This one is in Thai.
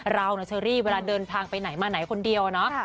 เรานะเชอรี่เวลาเดินทางไปไหนมาไหนคนเดียวเนาะ